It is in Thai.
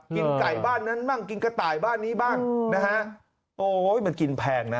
กินไก่บ้านนั้นบ้างกินกระต่ายบ้านนี้บ้างนะฮะโอ้ยมันกินแพงนะ